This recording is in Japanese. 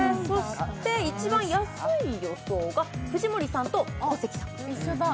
一番安い予想が藤森さんと小関さん。